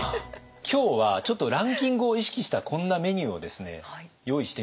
今日はちょっとランキングを意識したこんなメニューを用意してみました。